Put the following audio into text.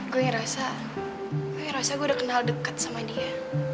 gue ngerasa gue ngerasa gue udah kenal dekat sama dia